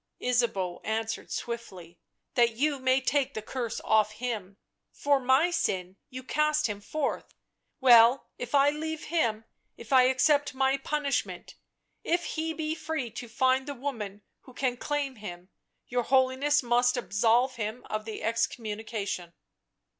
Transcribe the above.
Ysabeau answered swiftly. " That you may take the curse off him — for my sin you cast him forth, well, if I leave him, if I accept my punishment, if he be free to find the — woman — who can claim him, your Holiness must absolve him of the excommunication."